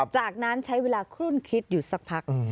จากนั้นใช้เวลาคลุ่นคิดอยู่สักพัก